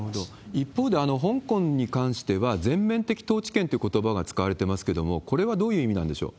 一方で、香港に関しては全面的統治権っていうことばが使われてますけれども、これはどういう意味なんでしょう？